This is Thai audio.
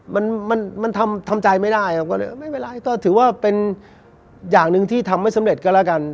มันมันทำทำใจไม่ได้ครับก็เลยไม่เป็นไรก็ถือว่าเป็นอย่างหนึ่งที่ทำไม่สำเร็จก็แล้วกัน